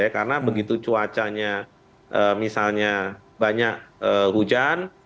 karena begitu cuacanya misalnya banyak hujan